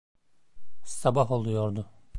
Sabah oluyordu.